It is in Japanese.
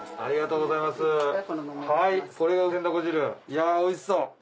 いやおいしそう。